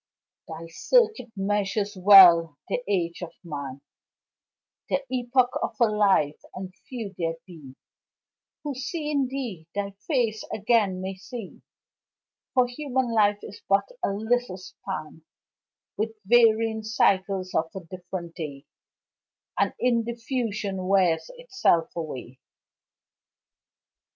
Thy circuit measures well the age of man, The epoch of a life and few there be Who seeing thee, thy face again may see, For human life is but a little span, With varying cycles of a different day, And in diffusion wears itself away.